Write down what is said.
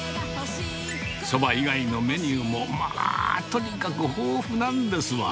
そば以外のメニューも、まあとにかく豊富なんですわ。